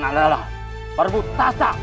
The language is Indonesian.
kalian adalah perbutasa